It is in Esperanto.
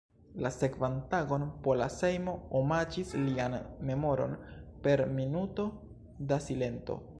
La sekvan tagon Pola Sejmo omaĝis lian memoron per minuto da silento.